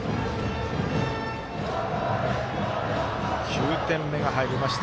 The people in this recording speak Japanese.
９点目が入りました。